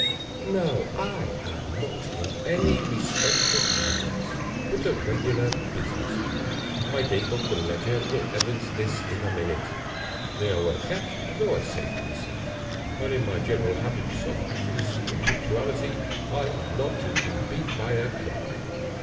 Now I am not in any respect a genius, but a regular business man. My day book and ledger will evince this in a minute. They are well kept, though I say it myself; and, in my general habits of accuracy and punctuality, I am not to be beat by a clock.